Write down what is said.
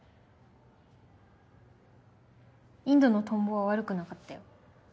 インドのトンボは悪くなかったよ。